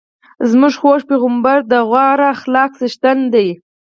زموږ خوږ پیغمبر د غوره اخلاقو څښتن دی.